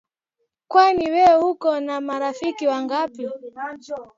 Kwani we uko na marafiki wangapi?